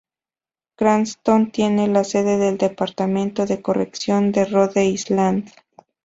Cranston tiene la sede del Departamento de Corrección de Rhode Island.